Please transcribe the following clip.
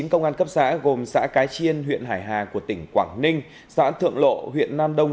chín công an cấp xã gồm xã cái chiên huyện hải hà của tỉnh quảng ninh xã thượng lộ huyện nam đông